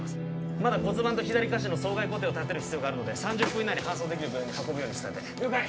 まだ骨盤と左下肢の創外固定をたてる必要があるので３０分以内に搬送できる病院に運ぶように伝えて了解！